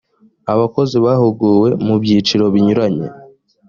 abakozi bahuguwe mu byiciro binyuranye